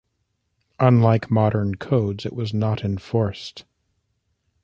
Unlike modern codes, it was not enforced.